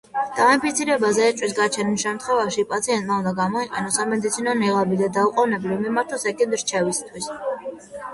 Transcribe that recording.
დაინფიცირებაზე ეჭვის გაჩენის შემთხვევაში, პაციენტმა უნდა გამოიყენოს სამედიცინო ნიღაბი და დაუყონებლივ მიმართოს ექიმს რჩევისთვის.